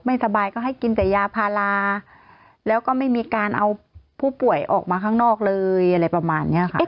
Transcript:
สบายก็ให้กินแต่ยาพาราแล้วก็ไม่มีการเอาผู้ป่วยออกมาข้างนอกเลยอะไรประมาณนี้ค่ะ